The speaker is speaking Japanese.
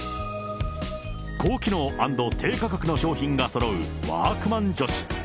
高機能＆低価格の商品がそろうワークマン女子。